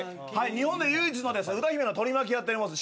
日本で唯一の歌姫の取り巻きやっております